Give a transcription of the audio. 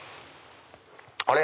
あれ？